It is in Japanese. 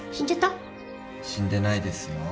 死んでないですよ。